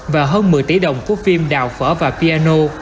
và hơn một mươi tỷ đồng của phim đào phở và piano